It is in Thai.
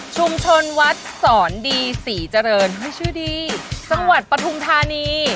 ชุมชนวัดสอนดีศรีเจริญชื่อดีจังหวัดปฐุมธานี